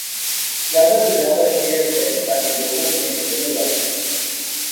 زیادہ سے زیادہ شیئر کریں تاکہ لوگوں میں شعور آجائے